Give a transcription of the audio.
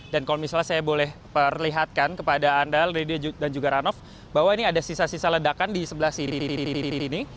dan kalau misalnya saya boleh perlihatkan kepada anda lady dan juga ranoff bahwa ini ada sisa sisa ledakan di sebelah sini